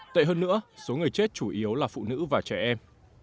tệ hơn nữa số người chết chủ yếu là phụ nữ và trẻ em